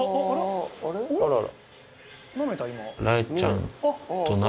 あらら。